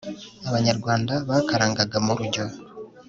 abanyarwanda bakarangaga mu rujyo